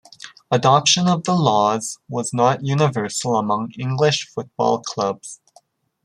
Adoption of the laws was not universal among English football clubs.